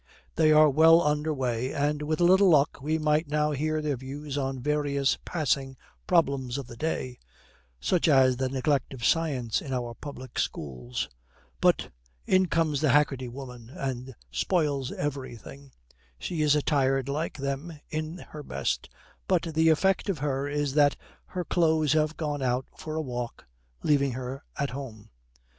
They are well under weigh, and with a little luck we might now hear their views on various passing problems of the day, such as the neglect of science in our public schools. But in comes the Haggerty Woman, and spoils everything. She is attired, like them, in her best, but the effect of her is that her clothes have gone out for a walk, leaving her at home.